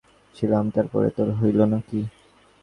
এই তো কাল সন্ধ্যা পর্যন্ত আমরা ছিলাম, তার পরে তোর হইল কী?